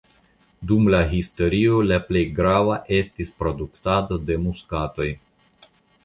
Dum la historio la plej grava estis produktado de muskatoj.